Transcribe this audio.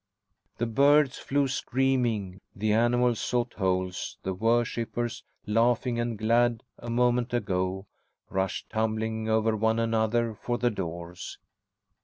The birds flew screaming, the animals sought holes, the worshippers, laughing and glad a moment ago, rushed tumbling over one another for the doors.